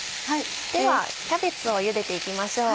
ではキャベツをゆでて行きましょう。